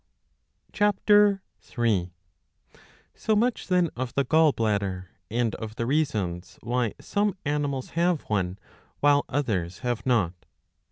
(Ch. 3.J So much then of the gaJl bladder, and of the reasons why some animals have one, while others have nbt.